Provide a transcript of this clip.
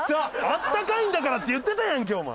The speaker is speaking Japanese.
「あったかいんだからぁ」って言ってたやんけお前！